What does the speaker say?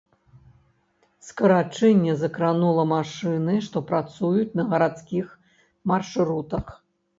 Скарачэнне закранула машыны, што працуюць на гарадскіх маршрутах.